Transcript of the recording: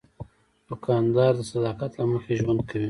دوکاندار د صداقت له مخې ژوند کوي.